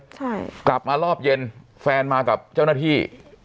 ใช่กลับมารอบเย็นแฟนมากับเจ้าหน้าที่